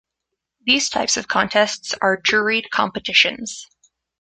These types of contests are juried competitions.